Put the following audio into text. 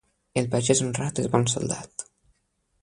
El pagès honrat és bon soldat.